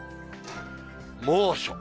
猛暑。